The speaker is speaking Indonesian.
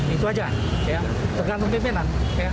itu aja tergantung pimpinan